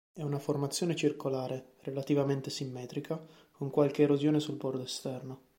È una formazione circolare, relativamente simmetrica, con qualche erosione sul bordo esterno.